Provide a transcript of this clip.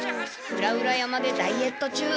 裏々山でダイエット中。